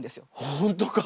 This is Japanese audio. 本当か！